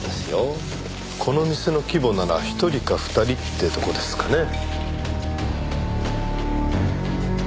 この店の規模なら１人か２人ってとこですかね。